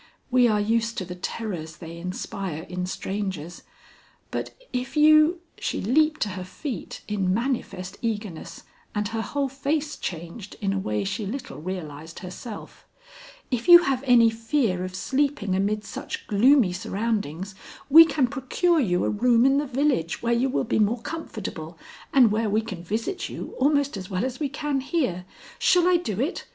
"We are used to the terrors they inspire in strangers, but if you" she leaped to her feet in manifest eagerness and her whole face changed in a way she little realized herself "if you have any fear of sleeping amid such gloomy surroundings, we can procure you a room in the village where you will be more comfortable, and where we can visit you almost as well as we can here. Shall I do it?